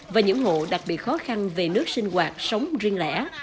và những hộ đặc biệt khó khăn về nước sinh hoạt sống riêng lẻ